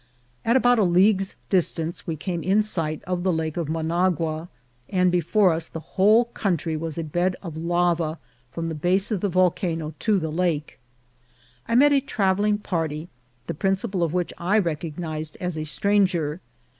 At about a league's distance we came in sight of the Lake of Managua, and before us the whole country was a bed of lava from the base of the volcano to the lake. I met a travelling par ty, the principal of which I recognised as a stranger.